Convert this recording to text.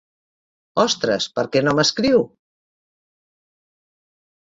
Ostres, per què no m'escriu?